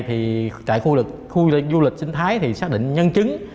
thì tại khu du lịch sinh thái thì xác định nhân chứng